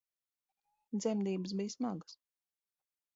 Dzemdības bija smagas